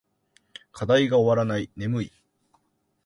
課題が終わらない。眠い。